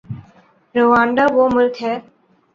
Rwanda وہ ملک ہے۔